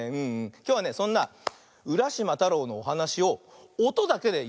きょうはねそんな「うらしまたろう」のおはなしをおとだけでやってみるよ。